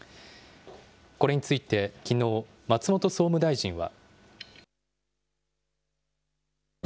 これについてきのう、松本総務大臣は。